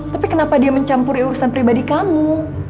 tapi kenapa dia mencampuri urusan pribadi kamu